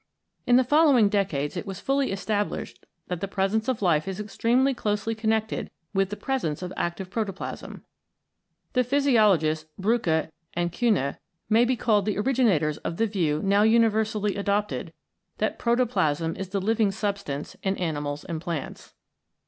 In the following decades it was fully established that the presence of life is extremely closely connected with the presence of active protoplasm. The physiologists Bruecke and Kuehne may be called the originators of the view now universally adopted that Protoplasm is the Living Substance in animals and plants.